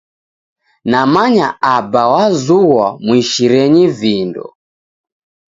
Namanya Aba wazughwa muishirenyi vindo.